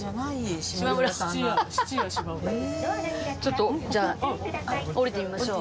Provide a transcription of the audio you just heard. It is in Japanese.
ちょっとじゃあ降りてみましょう。